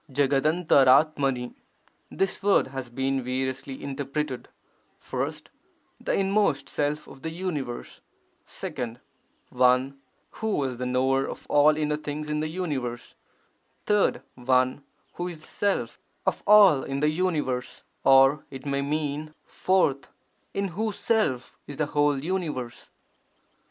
] ^1'KtKIchPi — This word has been variously interpreted: (1) 'the inmost Self of the universe', (2) 'One who is the knower of all inner things in the universe', (3) 'One who is the Self of 52 VAIRAGYA SATAKAM all in the universe', or it may mean, (4) 'in whose Self is the whole universe'.